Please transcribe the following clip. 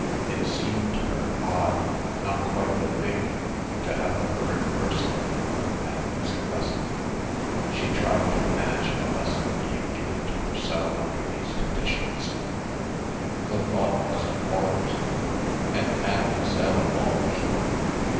It seemed to her odd, not quite the thing, to have a third person in the room at a music lesson. She tried to imagine a lesson being given to herself under these conditions. The thought was abhorrent. And Mademoiselle, of all people.